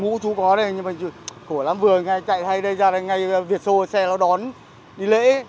mũ chú có đây nhưng mà khổ lắm vừa chạy hay ra đây ngay việt xô xe nó đón đi lễ